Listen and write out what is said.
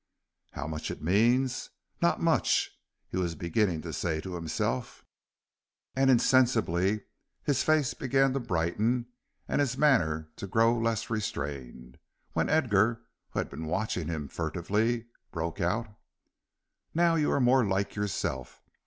How much it means! Not much, he was beginning to say to himself, and insensibly his face began to brighten and his manner to grow less restrained, when Edgar, who had been watching him furtively, broke out: "Now you are more like yourself.